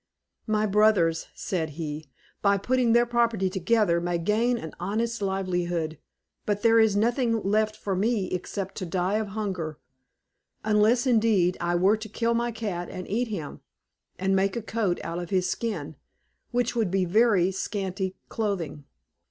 "My brothers," said he, "by putting their property together, may gain an honest livelihood, but there is nothing left for me except to die of hunger; unless, indeed, I were to kill my cat and eat him, and make a coat out of his skin, which would be very scanty clothing."